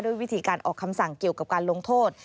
วิธีการออกคำสั่งเกี่ยวกับการลงโทษ